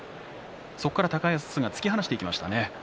そこから高安が突き放していきましたね。